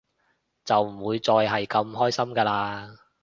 就唔會再係咁開心㗎喇